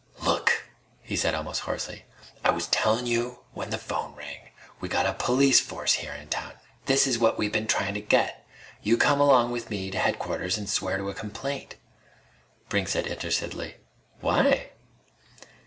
"Look!" he said almost hoarsely, "I was tellin' you when the phone rang! We got a police force here in town! This's what we've been tryin' to get! You come along with me to Headquarters an' swear to a complaint " Brink said interestedly: "Why?"